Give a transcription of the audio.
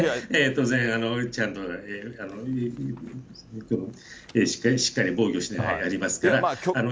当然、ちゃんとしっかり防御しながらやりますから。